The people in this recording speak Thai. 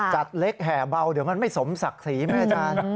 เล็กแห่เบาเดี๋ยวมันไม่สมศักดิ์ศรีไหมอาจารย์